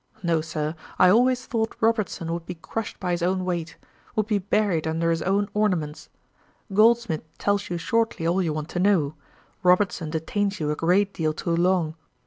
No, Sir; I always thought Robertson would be crushed by his own weight, would be buried under his own ornaments. Goldsmith tells you shortly all you want to know: Robertson detains you a great deal too long.